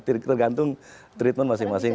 tergantung treatment masing masing